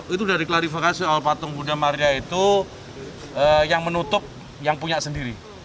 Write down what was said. itu sudah diklarifikasi soal patung budha maria itu yang menutup yang punya sendiri